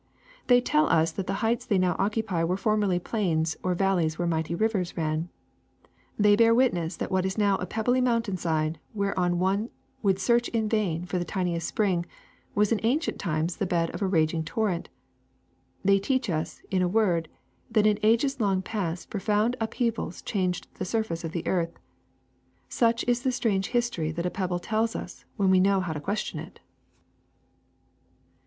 They tell us that the heights they now occupy were formerly plains or valleys where mighty rivers ran; they bear witness that what is now a pebbly mountain side where one would search in vain for the tiniest spring was in ancient times the bed of a raging torrent ; they teach us, in a word, that in ages long past profound up heavals changed the surface of the earth. Such is the strange history that a pebble tells us when we know how to question it.